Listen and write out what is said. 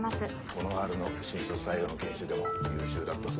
この春の新卒採用の研修でも優秀だったそうだよ。